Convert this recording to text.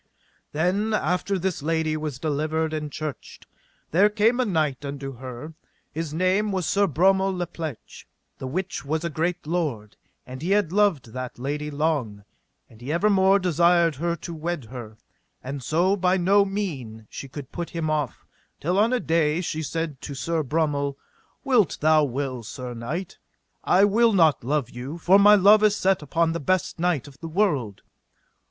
Then after this lady was delivered and churched, there came a knight unto her, his name was Sir Bromel la Pleche, the which was a great lord; and he had loved that lady long, and he evermore desired her to wed her; and so by no mean she could put him off, till on a day she said to Sir Bromel: Wit thou well, sir knight, I will not love you, for my love is set upon the best knight of the world.